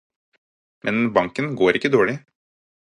Men banken går ikke dårlig.